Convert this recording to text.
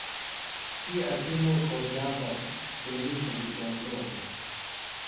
تی اسی نوکھوجا بہ تیݨی سنگیۡ چونٹولوۡ